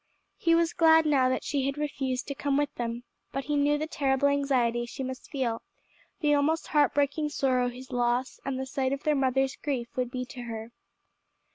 He was glad now that she had refused to come with them, but he knew the terrible anxiety she must feel, the almost heart breaking sorrow his loss and the sight of their mother's grief would be to her.